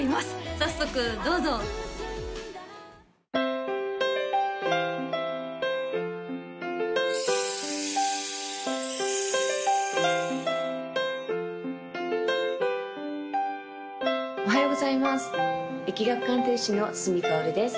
早速どうぞおはようございます易学鑑定士の角かおるです